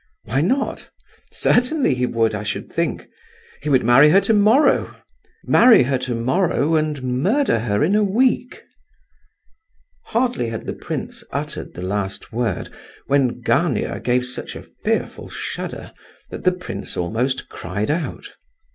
"Why not? Certainly he would, I should think. He would marry her tomorrow!—marry her tomorrow and murder her in a week!" Hardly had the prince uttered the last word when Gania gave such a fearful shudder that the prince almost cried out.